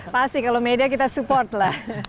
pasti kalau media kita support lah